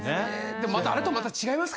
でもまたあれとはまた違いますからね。